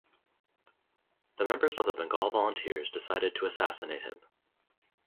The members of the Bengal volunteers decided to assassinate him.